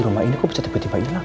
limbakan karuniamu ya allah